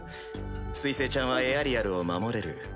水星ちゃんはエアリアルを守れる。